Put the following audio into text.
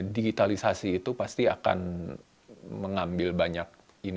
digitalisasi itu pasti akan mengambil banyak ini